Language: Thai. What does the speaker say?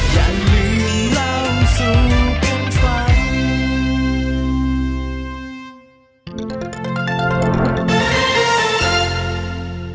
อย่าลืมเล่าสู่คนฟัง